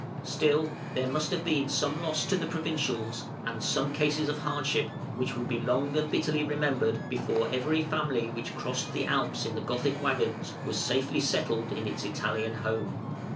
Still there must have been some loss to the provincials and some cases of hardship which would be long and bitterly remembered, before every family which crossed the Alps in the Gothic waggons was safely settled in its Italian home.